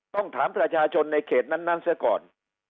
ต้องถามประชาชนในเขตนั้นเสียก่อน